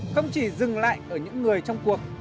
không chỉ dừng lại ở những người trong cuộc